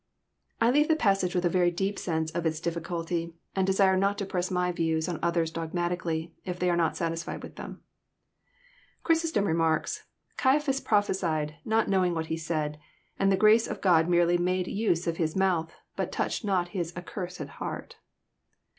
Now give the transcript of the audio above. I leave the passage with a very deep sense of its difflcnlty, and desire not to press my views on others dogmatically, if they are not satisfied with them. Chrysostom remarks, '*Caiaphas prophesied, not knowing what he said ; and the grace of God merely made use of his month, but touched not his accursed heart."